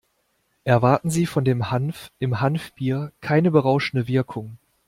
Erwarten Sie von dem Hanf im Hanfbier keine berauschende Wirkung.